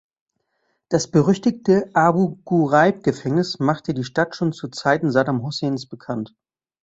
Das berüchtigte Abu-Ghuraib-Gefängnis machte die Stadt schon zu Zeiten Saddam Husseins bekannt.